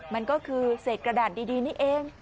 มันก็คือเศษกระดาษดีนี่เอง